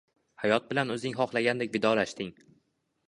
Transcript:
Hayot bilan o`zing xohlagandek vidolashding